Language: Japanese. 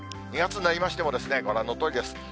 ２月になりましても、ご覧のとおりです。